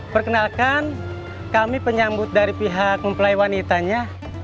perkenalkan kami penyambut dari pihak mempelai wanitanya